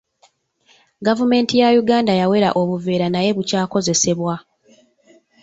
Gavumenti ya Uganda yawera obuveera naye bukyakozesebwa.